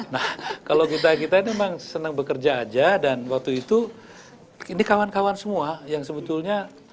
nah kalau kita kita ini memang senang bekerja aja dan waktu itu ini kawan kawan semua yang sebetulnya